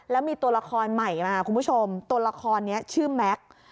แล้วมีตัวละครใหม่มาคุณผู้ชมตัวละครนี้ชื่อแม็กซ์